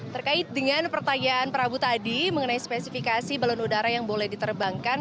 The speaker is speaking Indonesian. terkait dengan pertanyaan prabu tadi mengenai spesifikasi balon udara yang boleh diterbangkan